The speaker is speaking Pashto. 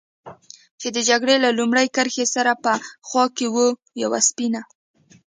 چې د جګړې له لومړۍ کرښې سره په خوا کې و، یوه سپینه.